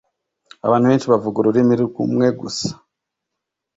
abantu benshi bavuga ururimi rumwe gusa